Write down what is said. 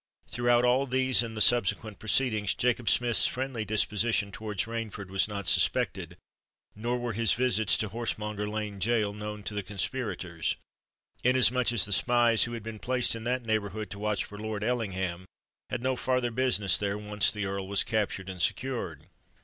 Throughout all these and the subsequent proceedings, Jacob Smith's friendly disposition towards Rainford was not suspected; nor were his visits to Horsemonger Lane Gaol known to the conspirators—inasmuch as the spies, who had been placed in that neighbourhood to watch for Lord Ellingham, had no farther business there when once the Earl was captured and secured.